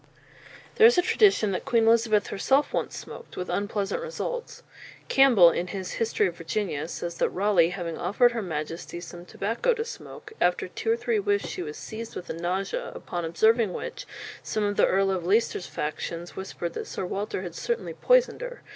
There is a tradition that Queen Elizabeth herself once smoked with unpleasant results. Campbell, in his "History of Virginia," says that Raleigh having offered her Majesty "some tobacco to smoke, after two or three whiffs she was seized with a nausea, upon observing which some of the Earl of Leicester's faction whispered that Sir Walter had certainly poisoned her.